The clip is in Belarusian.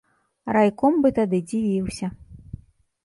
Райком бы тады дзівіўся.